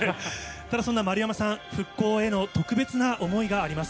ただ、そんな丸山さん、復興への特別な想いがあります。